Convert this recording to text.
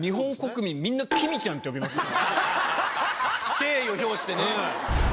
敬意を表してね。